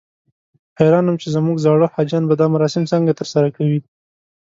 حیران وم چې زموږ زاړه حاجیان به دا مراسم څنګه ترسره کوي.